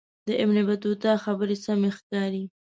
د ابن بطوطه خبرې سمې ښکاري.